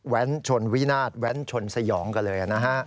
แว้นชนวินาทแว้นชนสยองกันเลย